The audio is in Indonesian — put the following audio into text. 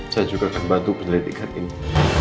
saya juga akan bantu penyelidikan ini